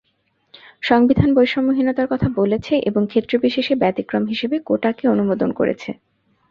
সংবিধান বৈষম্যহীনতার কথা বলেছে এবং ক্ষেত্রবিশেষে ব্যতিক্রম হিসেবে কোটাকে অনুমোদন করেছে।